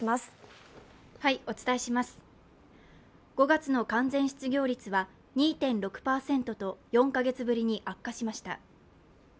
５月の完全失業率は２．６％と４カ月ぶりに悪化しました。